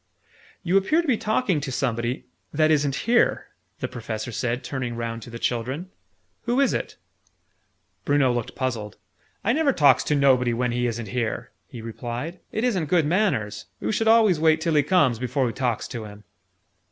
"You appear to be talking to somebody that isn't here," the Professor said, turning round to the children. "Who is it?" Bruno looked puzzled. "I never talks to nobody when he isn't here!" he replied. "It isn't good manners. Oo should always wait till he comes, before oo talks to him!"